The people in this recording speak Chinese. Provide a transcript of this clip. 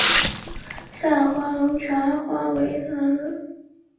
散花龙船花为茜草科龙船花属下的一个种。